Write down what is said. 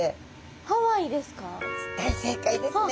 大正解ですね。